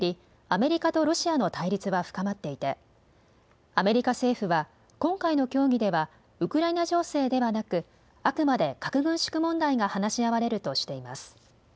アメリカとロシアの対立は深まっていてアメリカ政府は今回の協議ではウクライナ情勢ではなくあくまで核軍縮問題が話し合われるとしています。